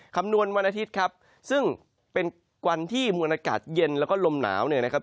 คำนวณวันอาทิตย์ครับซึ่งเป็นวันที่มวลอากาศเย็นแล้วก็ลมหนาวเนี่ยนะครับ